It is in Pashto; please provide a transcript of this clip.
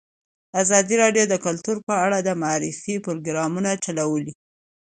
ازادي راډیو د کلتور په اړه د معارفې پروګرامونه چلولي.